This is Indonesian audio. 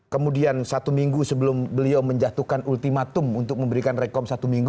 kemudian satu minggu sebelum beliau menjatuhkan ultimatum untuk memberikan rekom satu minggu